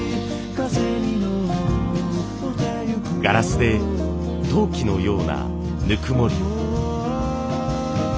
ガラスで陶器のようなぬくもりを。